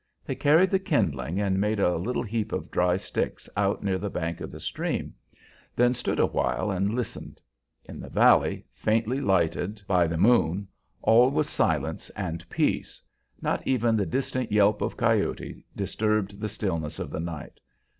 They carried the kindling and made a little heap of dry sticks out near the bank of the stream; then stood a while and listened. In the valley, faintly lighted by the moon, all was silence and peace; not even the distant yelp of coyote disturbed the stillness of the night.